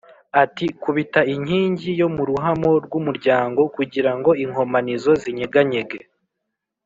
ati “Kubita inkingi yo mu ruhamo rw’umuryango kugira ngo inkomanizo zinyeganyege